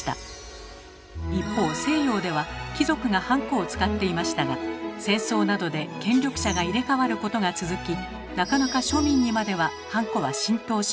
一方西洋では貴族がハンコを使っていましたが戦争などで権力者が入れ替わることが続きなかなか庶民にまではハンコは浸透しませんでした。